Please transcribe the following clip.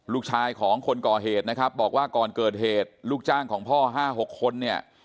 ลูกชายของคนก่อเหตุนะครับบอกว่าก่อนเกิดเหตุลูกจ้างของพ่อ๕๖คนเนี่ย